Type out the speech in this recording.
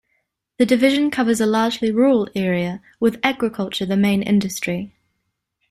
The Division covers a largely rural area, with agriculture the main industry.